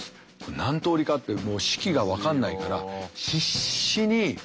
何通りかって式が分かんないから必死に。